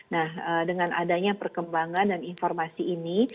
nah dengan adanya perkembangan dan informasi ini